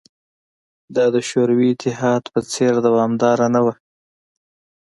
دا د شوروي اتحاد په څېر دوامداره نه وه